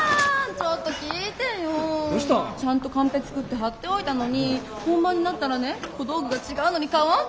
ちゃんとカンペ作って貼っておいたのに本番になったらね小道具が違うのにかわってたのよ。